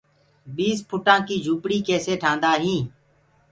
بِيس ڦُٽآنٚ ڪي جُهوپڙي ڪيسي ٺآندآ هينٚ۔